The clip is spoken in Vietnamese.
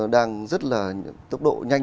đang rất là tốc độ nhanh